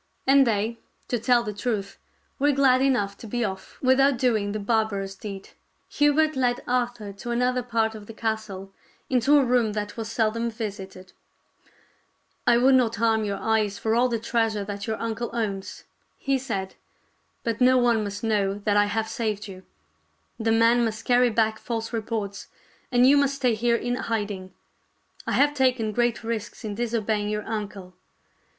And they, to tell the truth, were glad enough to be off without doing the barbarous deed. Hubert led Arthur to another part of the castle, into a room that was seldom visited. " I would not harm your eyes for all the treasure that your uncle owns," he said. " But no one must know Il6 THIRTY MORE FAMOUS STORIES that I have saved you. The men must carry back false reports, and you must stay here in hiding. I have taken great risks in disobeying your uncle."